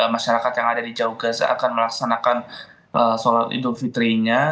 masyarakat yang ada di jauh gaza akan melaksanakan sholat idul fitrinya